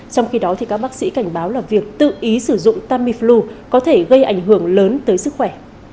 trong khi đó các bác sĩ cảnh báo là việc tự ý sử dụng tamiflu có thể gây ảnh hưởng lớn tới sức khỏe